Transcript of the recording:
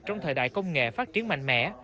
trong thời đại công nghệ phát triển mạnh mẽ